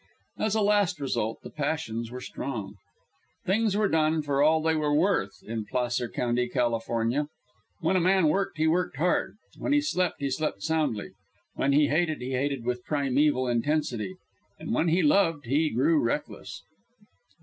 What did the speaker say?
As a last result, the passions were strong. Things were done "for all they were worth" in Placer County, California. When a man worked, he worked hard; when he slept, he slept soundly; when he hated, he hated with primeval intensity; and when he loved he grew reckless.